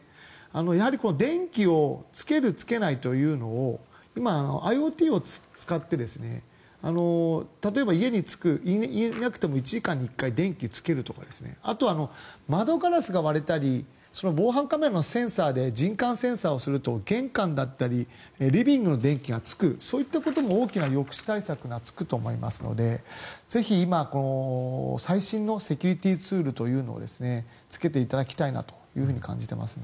やはり電気をつける、つけないというのを今、ＩｏＴを使って例えば、家にいなくても１時間に１回電気をつけるとかあとは窓ガラスが割れたり防犯カメラのセンサーで人感センサーをすると玄関だったりリビングの電気がつくそういったことも大きな抑止対策がつくと思いますのでぜひ今、最新のセキュリティーツールというのをつけていただきたいなと感じていますね。